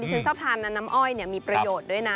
ฉันชอบทานนะน้ำอ้อยมีประโยชน์ด้วยนะ